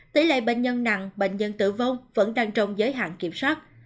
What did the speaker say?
tỷ lệ bệnh nhân nặng bệnh nhân tử vong vẫn đang trong giới hạn kiểm soát